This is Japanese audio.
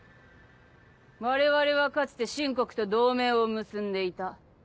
我々はかつて秦国と同盟を結んでいた。